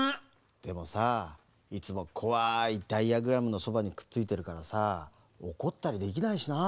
でもさいつもこわいダイヤグラムのそばにくっついてるからさおこったりできないしな。